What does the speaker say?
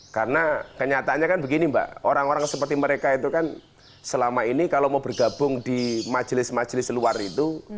karena kenyataannya kan begini mbak orang orang seperti mereka itu kan selama ini kalau mau bergabung di majelis majelis luar itu